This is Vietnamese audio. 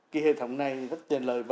cái hệ thống này rất tiền lợi